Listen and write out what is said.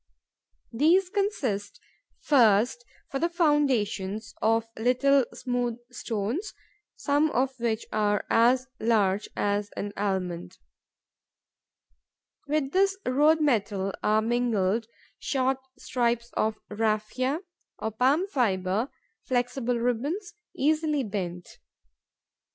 These consist, first, for the foundations, of little smooth stones, some of which are as large as an almond. With this road metal are mingled short strips of raphia, or palm fibre, flexible ribbons, easily bent.